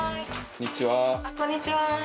こんにちは。